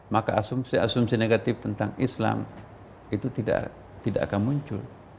maka asumsi asumsi negatif tentang islam itu tidak akan muncul